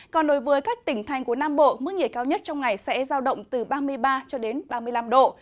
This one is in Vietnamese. còn đối với các tỉnh thành của nam bộ mức nhiệt cao nhất trong ngày sẽ giao động từ ba mươi ba ba mươi năm độ